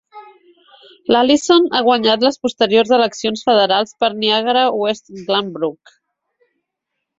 L'Allison ha guanyat les posteriors eleccions federals per Niagara West-Glanbrook.